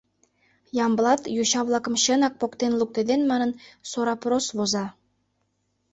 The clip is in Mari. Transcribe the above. Ямблат йоча-влакым чынак поктен луктеден манын, сорапрос воза.